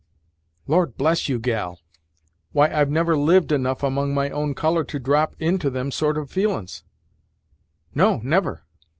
"Lord bless you gal! Why I've never lived enough among my own colour to drop into them sort of feelin's, no never!